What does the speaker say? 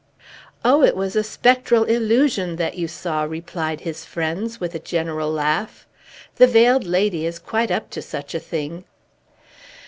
"Oh, it was a spectral illusion that you saw!" replied his friends, with a general laugh. "The Veiled Lady is quite up to such a thing."